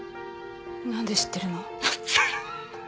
なんで知ってるの？